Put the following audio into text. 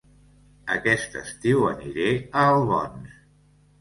Aquest estiu aniré a Albons